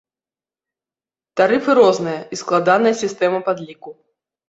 Тарыфы розныя, і складаная сістэма падліку.